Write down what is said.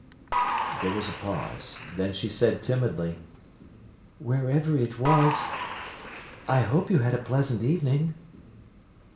There was a pause; then she said timidly: "Wherever it was, I hope you had a pleasant evening."